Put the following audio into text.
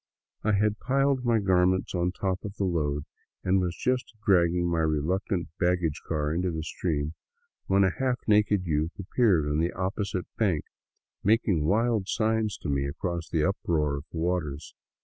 I had piled my gar ments on top of the load and was just dragging my reluctant baggage car into the stream, when a half naked youth appeared on the opposite bank, making wild signs to me across the uproar of waters.